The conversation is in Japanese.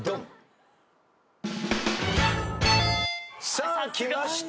さあきました